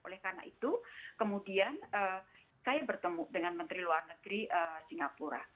oleh karena itu kemudian saya bertemu dengan menteri luar negeri singapura